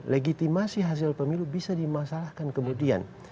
legitimasi hasil pemilu bisa dimasalahkan kemudian